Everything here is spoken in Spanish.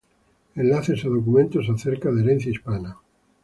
Enlaces a documentos acerca de herencia hispana